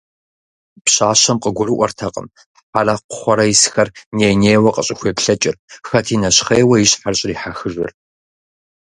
Пщащэм къыгурыӀуэтэкъым Хьэрэ-Кхъуэрэ исхэр ней-нейуэ къыщӀыхуеплъэкӀыр, хэти нэщхъейуэ и щхьэр щӀрихьэхыжыр.